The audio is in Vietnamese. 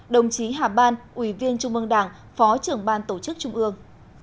đồng chí hà ban ủy viên trung mương đảng phó trưởng ban tổ chức trung ương